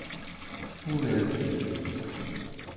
Ur rfin.